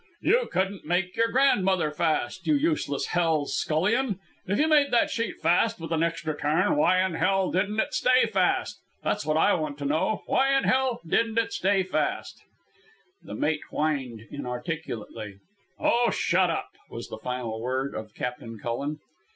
"You couldn't make your grandmother fast, you useless hell's scullion. If you made that sheet fast with an extra turn, why in hell didn't it stay fast? That's what I want to know. Why in hell didn't it stay fast?" The mate whined inarticulately. "Oh, shut up!" was the final word of Captain Cullen.